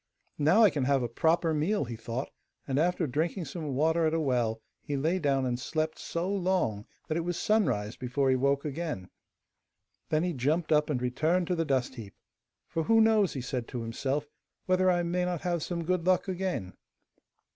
'Now I can have a proper meal,' he thought, and after drinking some water at a well he lay down and slept so long that it was sunrise before he woke again. Then he jumped up and returned to the dust heap. 'For who knows,' he said to himself, 'whether I may not have some good luck again.